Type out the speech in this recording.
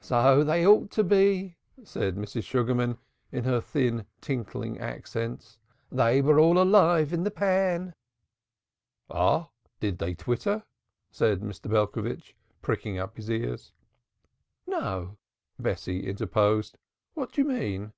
"So they ought to be," said Mrs. Sugarman in her thin tinkling accents, "they were all alive in the pan." "Ah, did they twitter?" said Mr. Belcovitch, pricking up his ears. "No," Bessie interposed. "What do you mean?"